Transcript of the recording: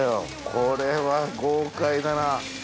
これは豪快だな。